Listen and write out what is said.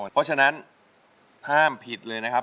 เพราะฉะนั้นห้ามผิดเลยนะครับ